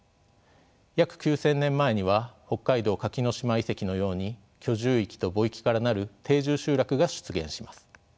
約９，０００年前には北海道垣ノ島遺跡のように居住域と墓域からなる定住集落が出現します。